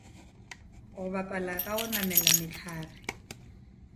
Go bapala ka go namela mehlare.